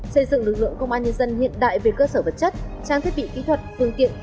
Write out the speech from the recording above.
xây dựng lực lượng công an nhân dân hiện đại về cơ sở vật chất trang thiết bị kỹ thuật phương tiện